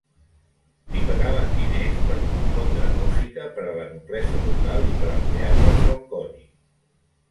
Li pagaven diners per compondre música per a la noblesa local i per al Teatre Falconi.